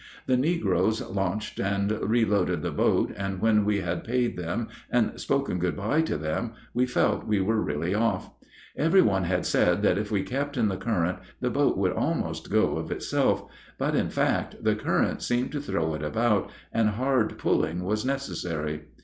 The negroes launched and reloaded the boat, and when we had paid them and spoken good by to them we felt we were really off. Every one had said that if we kept in the current the boat would almost go of itself, but in fact the current seemed to throw it about, and hard pulling was necessary.